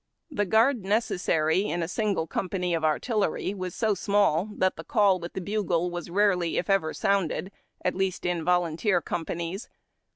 The guard necessary in a single company of artillery was so small that the call with the bugle was rarely if ever sounded, at least in volunteer companies.